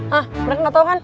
ah mereka gak tau kan